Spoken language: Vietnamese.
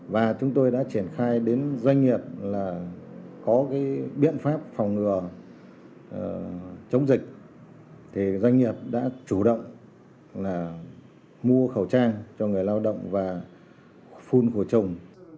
và chúng tôi đã triển khai đến doanh nghiệp có biện pháp phòng ngừa chống dịch doanh nghiệp đã chủ động mua khẩu trang cho người lao động và phun của chồng